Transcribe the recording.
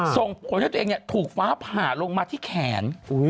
ส่งผลให้ตัวเองถูกฟ้าผ่าลงมาที่แขน